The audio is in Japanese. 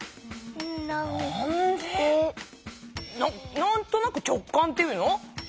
なんとなく直感っていうの？